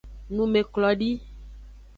Numeklodi.